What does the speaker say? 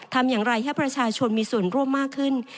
ทำอย่างไรให้ประชาชนมีส่วนร่วมมากขึ้น